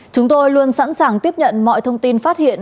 chúng tôi luôn sẵn sàng tiếp nhận mọi thông tin phát hiện